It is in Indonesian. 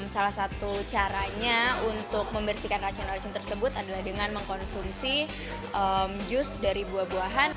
salah satu caranya untuk membersihkan racun racun tersebut adalah dengan mengkonsumsi jus dari buah buahan